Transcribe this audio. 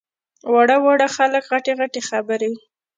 واړه واړه خلک غټې غټې خبرې!